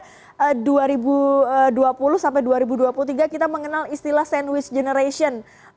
pada tahun dua ribu dua puluh sampai dua ribu dua puluh tiga kita mengenal istilah sandwich generation